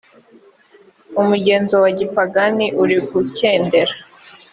umugenzo wa gipagani urigukendera.